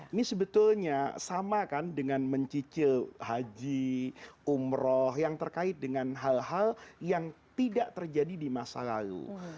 ini sebetulnya sama kan dengan mencicil haji umroh yang terkait dengan hal hal yang tidak terjadi di masa lalu